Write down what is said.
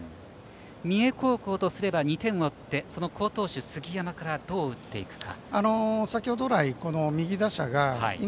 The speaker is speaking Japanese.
三重高校とすれば２点を追って好投手、杉山からどう打っていくか。